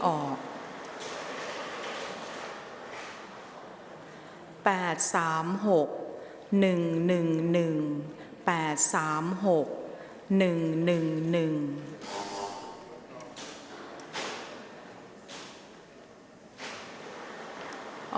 ออกรางวัลที่๒ครั้งที่๖เลขที่๗